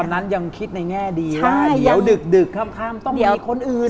อเรนนี่ยังคิดในแง่ดีล่ะเดี๋ยวดึกข้ามต้องมีคนอื่น